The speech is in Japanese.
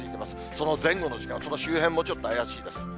その前後の時間、その周辺もちょっと怪しいです。